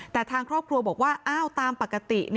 แต่ทางครอบครัวบอกว่าอ้าวตามปกติ